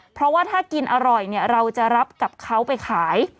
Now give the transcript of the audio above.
เพราะว่าถ้ากินอร่อยเนี่ยเราจะรับกับเขาไปขาย